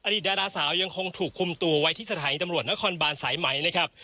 ดาราสาวยังคงถูกคุมตัวไว้ที่สถานีตำรวจนครบานสายไหมนะครับ